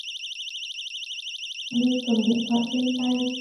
Nhưng cầm điện thoại trên tay